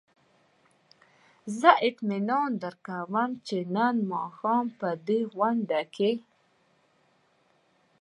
زه اطمینان درکړم چې نن ماښام به په دې غونډه کې.